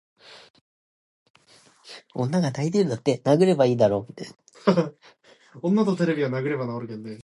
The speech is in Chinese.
之前看到一个视频说某国际大学一个研究人工智能的博士发表了一篇题为:大语言模型会自发产生智能的论文，这是对这所国际百年名校的最大侮辱